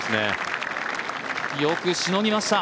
よくしのぎました。